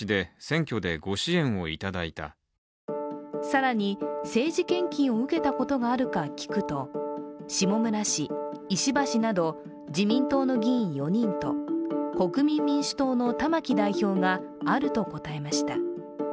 更に政治献金を受けたことがあるか聞くと下村氏、石破氏など自民党の議員４人と、国民民主党の玉木代表があると答えました。